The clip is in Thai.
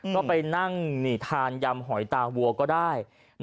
ก็ไปนั่งทานยำหอยตาวัวก็ได้